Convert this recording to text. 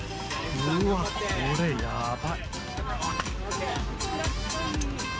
うわ、これ、やばい。